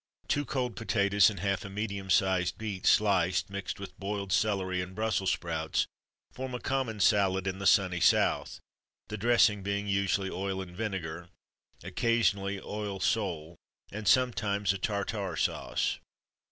Two cold potatoes and half a medium sized beet sliced, mixed with boiled celery and Brussels sprouts, form a common salad in the sunny South; the dressing being usually oil and vinegar, occasionally oil seule, and sometimes a Tartare sauce.